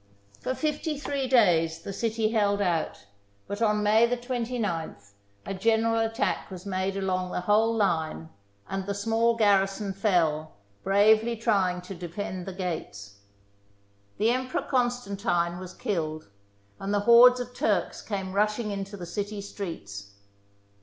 For fifty three days the city held out, but on May 29th a general attack was made along the whole line, and the small garrison fell, bravely trying to defend the gates. The Emperor Constantine was killed, and the hordes of Turks came rushing into the city streets.